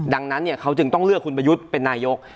ดังนั้นเขาจึงต้องเลือกคุณประยุทธ์เป็นนายก